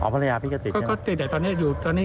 อ๋อภรรยาพี่ก็ติดใช่ไหม